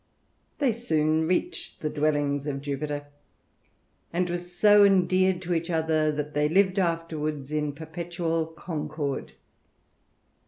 They soon reached the dwellings of Jupit^, and were so endeared to each other, that they lived after wards in perpetual concord.